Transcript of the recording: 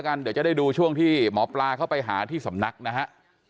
เดี๋ยวจะได้ดูช่วงที่หมอปลาเข้าไปหาที่สำนักนะฮะ